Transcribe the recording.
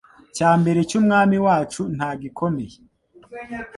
cya mbere cy’Umwami wacu, nta gikomeye